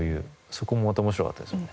そこもまた面白かったですよね。